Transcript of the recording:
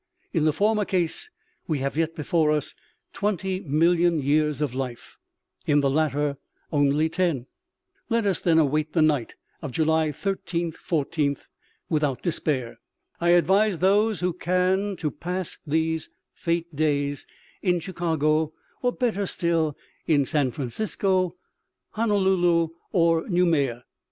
In the former case we have yet before us twenty million years of life ; in the latter only ten. "Let us then await the night of July 13 14 without despair. I advise those who can to pass these fete days in Chicago, or better still in San Francisco, Honolulu or Noumea.